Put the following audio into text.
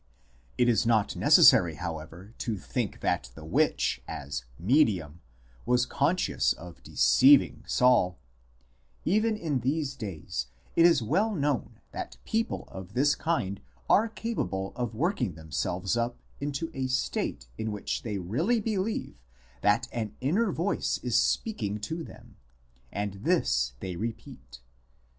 It is not necessary, however, to think that the witch, as "medium," was conscious of deceiving Saul; even in these days it is well known that people of this kind are capable of working themselves up into a state in which they really believe that an inner voice is speaking to them, and this they repeat.